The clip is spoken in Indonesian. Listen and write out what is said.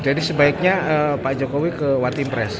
jadi sebaiknya pak jokowi ke one team pres